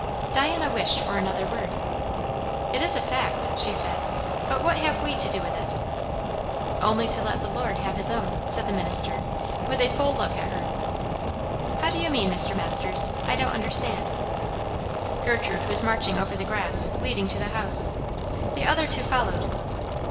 Diana wished for another word. "It is a fact," she said; "but what have we to do with it?" "Only to let the Lord have his own," said the minister with a full look at her. "How do you mean, Mr. Masters? I don't understand." Gertrude was marching over the grass, leading to the house. The other two followed.